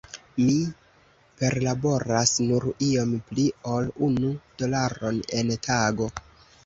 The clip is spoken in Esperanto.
Mi perlaboras nur iom pli ol unu dolaron en tago.